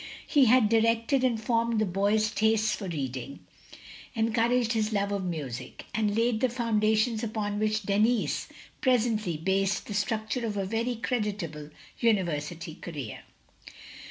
He had directed and formed the boy's taste for reading, encouraged his love of music, and laid the foundations upon which Denis presently based the structure of a very creditable University career.